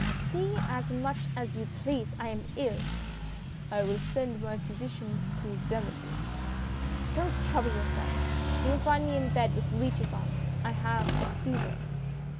" See as much as you please. I am ill !"" I will send my physician to examine you." "Don't trouble yourself. He will find me in bed with leeches on. I have a fever."